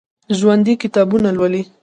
ژوندي کتابونه لولي